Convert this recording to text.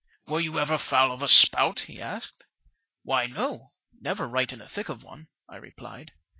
" Were you ever foul of a spout ?" he asked. Why, no; never right in the thick of one," I replied.